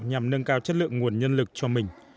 nhằm nâng cao chất lượng nguồn nhân lực cho mình